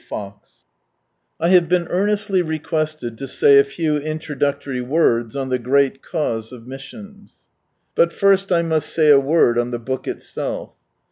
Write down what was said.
176 I HAVE been earnestly rcqviested to say a few introductory words on the great cause of Missions. But first I must say a word on the book itself.